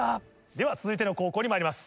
では続いての高校にまいります。